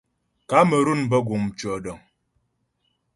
Kamerun bə guŋ mtʉɔ̌dəŋ.